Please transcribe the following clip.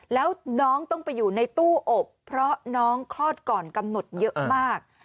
แล้วน้องต้องไปอยู่ในตู้อบเพราะน้องคลอดก่อนกำหนดเยอะมาก